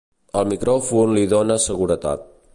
El micròfon li dóna seguretat.